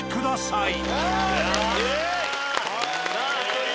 いい。